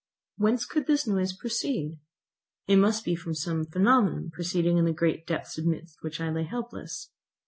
Whence could this noise proceed? It must be from some phenomenon proceeding in the great depths amidst which I lay helpless.